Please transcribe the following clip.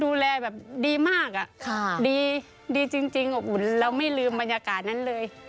ดูแลแบบดีมากดีจริงอบอุ่นแล้วไม่ลืมบรรยากาศนั้นเลย